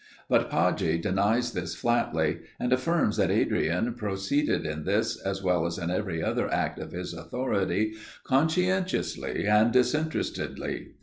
But Pagi denies this flatly, and affirms that Adrian proceeded in this, as well as in every other act of his authority, conscientiously and disinterestedly.